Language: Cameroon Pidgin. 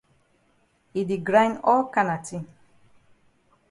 E di grind all kana tin.